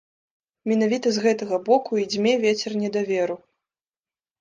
Менавіта з гэтага боку і дзьме вецер недаверу.